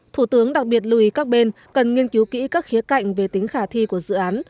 thủ tướng đặc biệt lưu ý các bên cần nghiên cứu kỹ các khía cạnh về tính khả thi của dự án